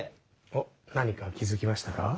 おっ何か気付きましたか？